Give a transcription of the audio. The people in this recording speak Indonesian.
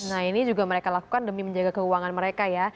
nah ini juga mereka lakukan demi menjaga keuangan mereka ya